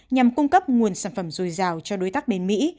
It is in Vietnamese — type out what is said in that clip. nhằm cung cấp nguồn sản phẩm dồi dào cho đối tác bên mỹ